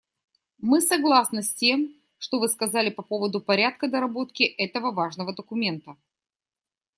Мы согласны с тем, что Вы сказали по поводу порядка доработки этого важного документа.